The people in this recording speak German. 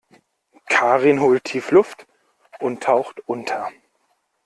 Karin holt tief Luft und taucht unter.